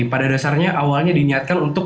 pada dasarnya awalnya diniatkan untuk